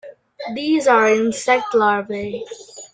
These are insect Larvae.